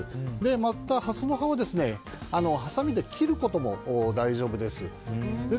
また、ハスの葉をはさみで切ることも大丈夫です。